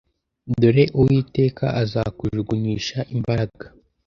Dore Uwiteka azakujugunyisha imbaraga